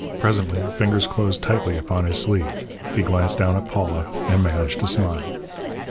Presently fingers closed tightly upon his sleeve. He glanced down at Paula and managed to smile.